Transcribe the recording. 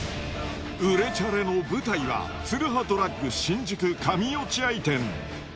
売れチャレの舞台は、ツルハドラッグ新宿上落合店。